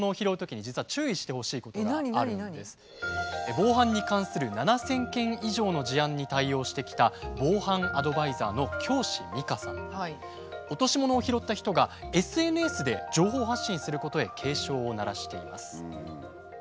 防犯に関する７，０００件以上の事案に対応してきた落とし物を拾った人がＳＮＳで情報発信することへ警鐘を鳴らしています。